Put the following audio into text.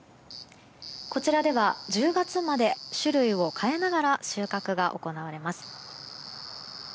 こちらでは１０月まで種類を変えながら収穫が行われます。